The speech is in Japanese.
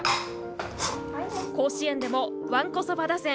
甲子園でも、わんこそば打線。